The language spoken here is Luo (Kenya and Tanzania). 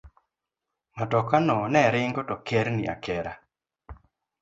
Matokano ne ringo to kerni akera.